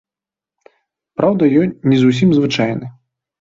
Праўда, ён не зусім звычайны.